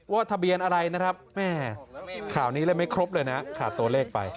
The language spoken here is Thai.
ทะเบียนอะไรนะครับแม่ข่าวนี้เลยไม่ครบเลยนะขาดตัวเลขไป